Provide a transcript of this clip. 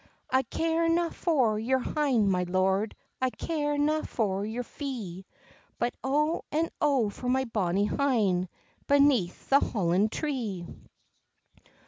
"I care na for your hyns, my lord, I care na for your fee; But O and O for my bonny hyn, Beneath the hollin tree!"